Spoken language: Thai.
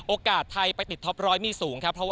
โอกาสไทยไปติดท็อปร้อยนี่สูงครับ